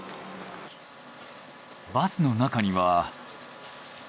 バスの中には。